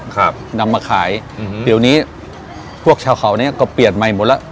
ครับนำมาขายอืมเดี๋ยวนี้พวกชาวเขาเนี้ยก็เปลี่ยนใหม่หมดแล้ว